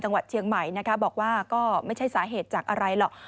จังหวัดเชียงใหม่นะคะบอกว่าก็ไม่ใช่สาเหตุจากอะไรหรอก